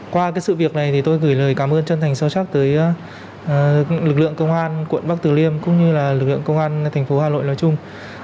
qua sự việc này thì tôi gửi lời cảm ơn chân thành sâu sắc tới lực lượng công an quận bắc tử liêm cũng như là lực lượng công an thành phố hà nội nói chung